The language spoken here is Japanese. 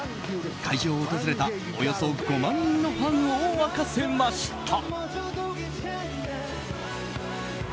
会場を訪れたおよそ５万人のファンを沸かせました。